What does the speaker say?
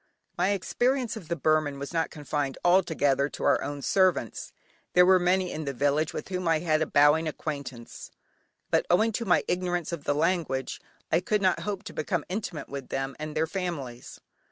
My experience of the Burman was not confined altogether to our own servants, there were many in the village with whom I had a bowing acquaintance, but owing to my ignorance of the language I could not hope to become intimate with them and their families.